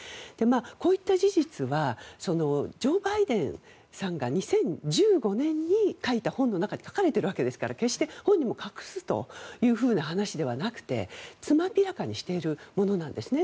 こういった事実はジョー・バイデンさんが２０１５年に書いた本の中に書かれているわけですから決して本人も隠すという話ではなくてつまびらかにしているものなんですね。